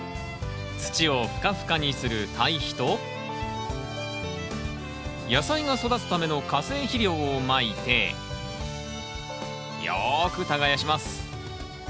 土をふかふかにする堆肥と野菜が育つための化成肥料をまいてよく耕します。